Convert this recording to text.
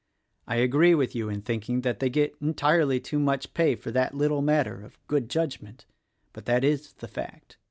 I agree with you in thinking that they get entirely too much pay for that little matter of good judgment; but that is the fact.